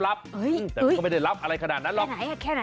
แต่ก็ไม่ได้รับอะไรขนาดนั้นหรอก